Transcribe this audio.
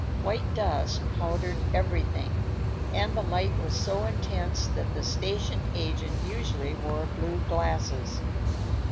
White dust powdered everything, and the light was so intense that the station agent usually wore blue glasses.